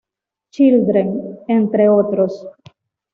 Children, entre otros.